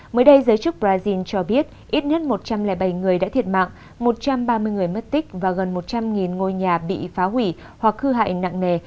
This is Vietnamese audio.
mới đây giới chức brazil cho biết ít nhất một trăm linh bảy người đã thiệt mạng một trăm ba mươi người mất tích và gần một trăm linh ngôi nhà bị phá hủy hoặc hư hại nặng nề